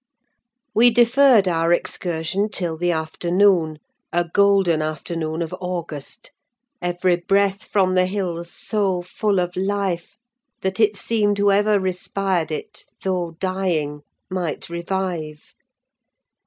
We deferred our excursion till the afternoon; a golden afternoon of August: every breath from the hills so full of life, that it seemed whoever respired it, though dying, might revive.